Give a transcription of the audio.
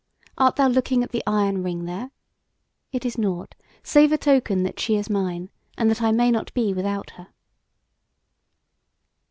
art thou looking at the iron ring there? It is nought, save a token that she is mine, and that I may not be without her."